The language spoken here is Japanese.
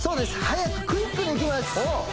速くクイックでいきます